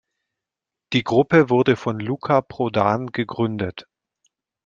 Die Gruppe wurde von Luca Prodan gegründet.